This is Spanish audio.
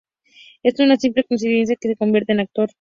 Es una simple coincidencia que se convirtiese en actor.